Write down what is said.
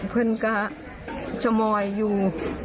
เพลิงกะจมอยอยู่